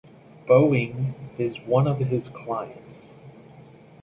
Boeing is one of his clients.